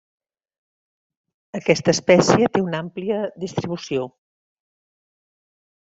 Aquesta espècie té una àmplia distribució.